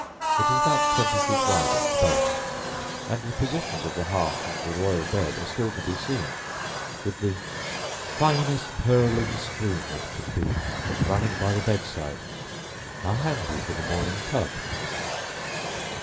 It is about twenty feet wide at the base, and the position of the hearth and the royal bed are still to be seen, with "the finest purling stream that could be, running by the bed side." How handy for the morning "tub"!